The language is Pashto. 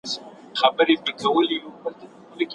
ایا تعلیم کیفیت لري؟